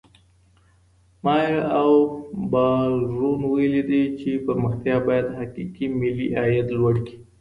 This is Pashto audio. مائر او بالډون ويلي دي چي پرمختيا بايد حقيقي ملي عايد لوړ کړي.